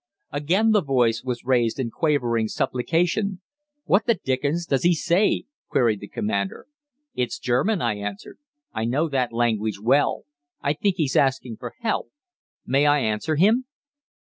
Again the voice was raised in quavering supplication. 'What the dickens does he say?' queried the commander. 'It's German,' I answered. 'I know that language well. I think he's asking for help. May I answer him?'